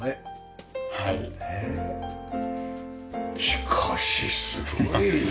しかしすごいな。